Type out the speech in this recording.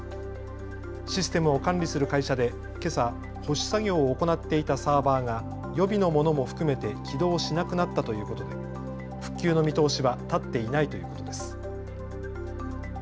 システムを管理する会社でけさ保守作業を行っていたサーバーが予備のものも含めて起動しなくなったということで復旧の見通しは立っていないということです。